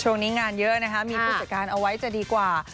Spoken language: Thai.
ช่วงนี้งานเยอะนะคะมีผู้จัดการเอาไว้ดีกว่า